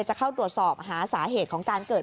จะเข้าตรวจสอบหาสาเหตุของการเกิด